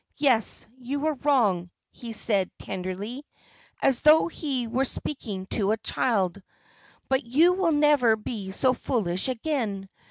"Yes, you were wrong," he said, tenderly, as though he were speaking to a child, "but you will never be so foolish again.